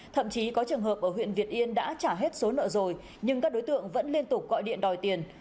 thậm chí có trường hợp ở huyện việt yên đã trả hết số nợ rồi nhưng các đối tượng vẫn liên tục gọi điện đòi tiền